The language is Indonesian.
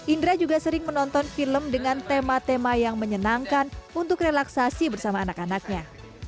indra juga sering menonton film dengan tema tema yang menyenangkan untuk relaksasi bersama anak anaknya